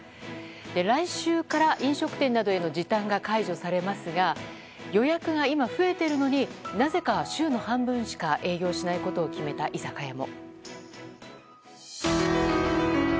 来週から飲食店などへの時短が解除されますが予約が今増えているのになぜか週の半分しか営業しないことを決めた居酒屋も。